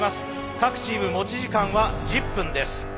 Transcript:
各チーム持ち時間は１０分です。